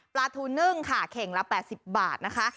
ปลาทูนึ่งค่ะเข่งละ๘๐บาทนะคะ